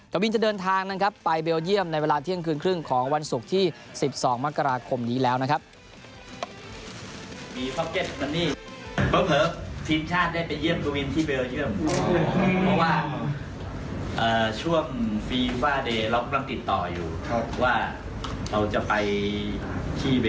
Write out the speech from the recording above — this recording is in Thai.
กวินจะเดินทางนะครับไปเบลเยี่ยมในเวลาเที่ยงคืนครึ่งของวันศุกร์ที่๑๒มกราคมนี้แล้วนะครับ